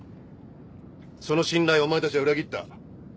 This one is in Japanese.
その信頼をお前たちは裏切った。